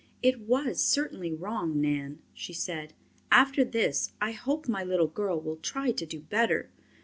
"It was certainly wrong, Nan," she said. "After this I hope my little girl will try to do better."